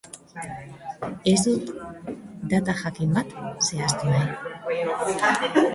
Ez dut data jakin bat zehaztu nahi.